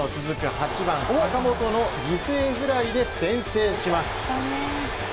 ８番坂本の犠牲フライで先制します。